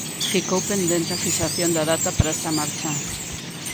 Ficou pendente a fixación da data para esta marcha.